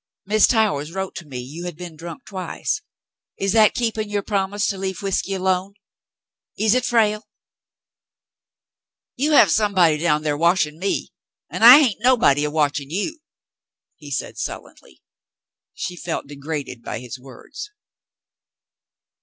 Mrs. Towers wrote me you had been drunk twice. Is that keeping your promise to leave whiskey alone ? Is it, Frale ?" "You have somebody down thar watchin' me, an' I hain't nobody a watchin' you," he said sullenly. She felt degraded by his words.